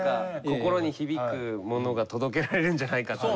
心に響くものが届けられるんじゃないかと。